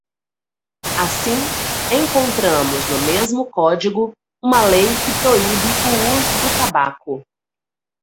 Assim, encontramos no mesmo código uma lei que proíbe o uso do tabaco.